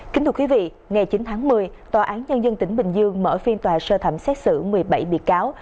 kính thưa quý vị ngày chín tháng một mươi tòa án nhân dân tỉnh bình dương mở phiên tòa sơ thẩm xét xử một mươi bảy bị cáo